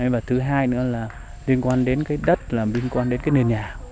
và thứ hai nữa là liên quan đến cái đất là liên quan đến cái nền nhà